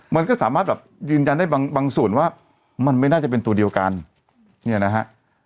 มันก็สามารถแบบยืนยันได้บางส่วนว่ามันไม่น่าจะเป็นตัวเดียวกันเนี่ยนะฮะ